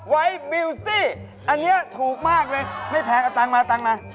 เฮ้ยเครื่องราคีมเป็นครั้งนี้